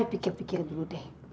pikir pikir dulu deh